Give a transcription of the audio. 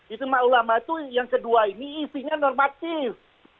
itu maulama itu yang kedua ini isinya normatif